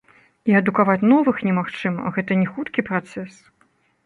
І адукаваць новых немагчыма, гэта не хуткі працэс.